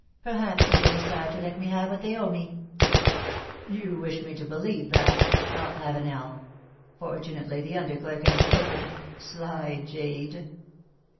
Perhaps they will decide to let me have what they owe me." You wish to make me believe that," thought Lavenel. Fortunately, the under clerk has spoken ! Sly jade